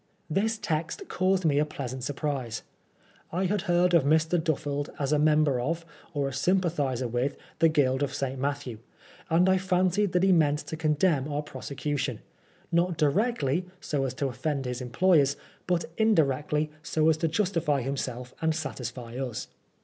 This text caused me a pleasant surprise. I had heard of Mr. Duffeld as a member of, or a sympathiser with, the Guild of St. Matthew ; and I fancied that he meant to condemn our. prosecution, not directly, so as to offend his employers, but indi rectly, so as to justify himself and satisfy us.